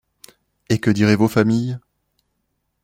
Et que diraient vos familles ?…